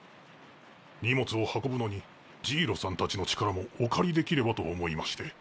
荷物を運ぶのにジイロさんたちの力もお借りできればと思いまして。